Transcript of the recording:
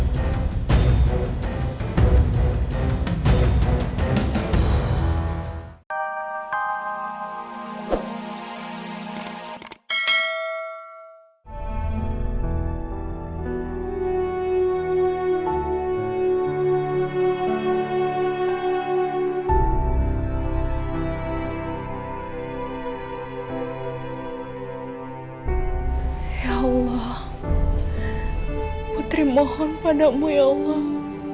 ya allah putri mohon padamu ya allah